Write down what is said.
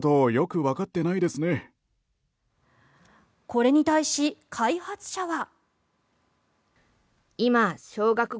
これに対し、開発者は。